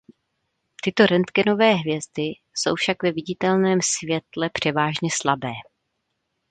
Tyto rentgenové hvězdy jsou však ve viditelném světle převážně slabé.